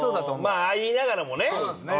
まあああ言いながらもねうん。